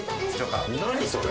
何それ？